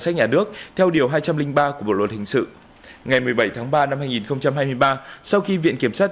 năm hai nghìn hai mươi ba sau khi viện kiểm sát